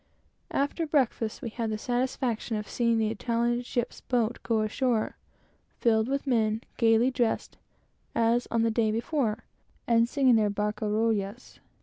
After breakfast, we had the satisfaction of seeing the Italian ship's boat go ashore, filled with men, gaily dressed, as on the day before, and singing their barcarollas.